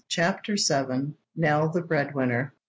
*Chapter VIII.* *NELL THE BREAD WINNER.